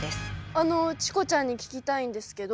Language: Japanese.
あのチコちゃんに聞きたいんですけど。